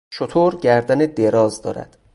شتر گردن دراز دارد.